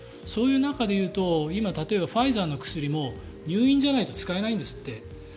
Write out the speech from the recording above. そういう中で言うと例えばファイザーの薬も入院じゃないと使えないんですって。